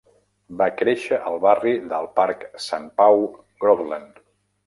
Va créixer al barri del Parc Sant Pau Groveland.